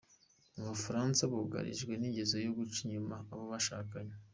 Mu Bufaransa bugarijwe n’ingeso yo guca inyuma abo bashakanye